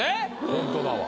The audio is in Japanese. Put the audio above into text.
ホントだわ。